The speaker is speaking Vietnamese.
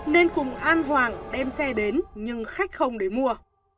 nên cùng an hoàng đem xe đến nhưng khách không đến mua